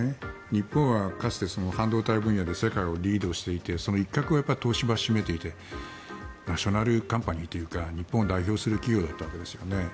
日本はかつて半導体分野で世界をリードしていてその一角を東芝は占めていてナショナルカンパニーというか日本を代表する企業だったわけですよね。